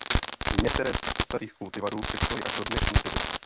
Některé z těchto starých kultivarů přečkaly až do dnešní doby.